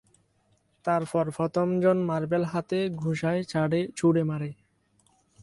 তারপর প্রথম জন মার্বেল হাতের ঘষায় ছুড়ে মারে।